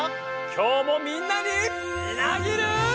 今日もみんなにみなぎる。